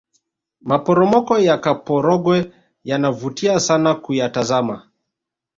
maporomoko yakaporogwe yanavutia sana kuyatazama